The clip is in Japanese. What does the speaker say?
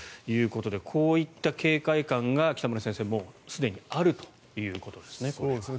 こういった警戒感が北村先生、もうすでにあるということですね。